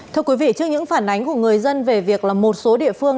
thưa quý vị trước những phản ánh của người dân về việc là một số địa phương